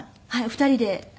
２人で？